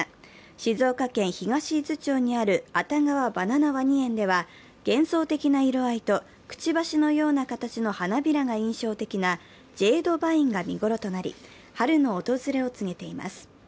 静岡県東伊豆町にある熱川バナナワニ園では幻想的な色合いとくちばしのような形の花びらが印象的なジェードバインが見頃となり、春の訪れを告げています。